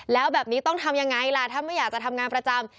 แล้วแบบนี้ต้องทำยังไงล่ะถ้าไม่อยากจะทำงานประจำ